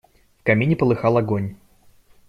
В камине полыхал огонь.